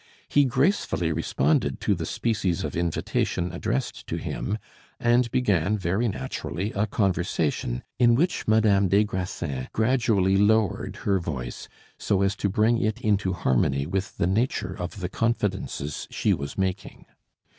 He gracefully responded to the species of invitation addressed to him, and began very naturally a conversation, in which Madame des Grassins gradually lowered her voice so as to bring it into harmony with the nature of the confidences she was making.